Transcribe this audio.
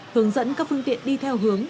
hướng dẫn các phương tiện đi theo hướng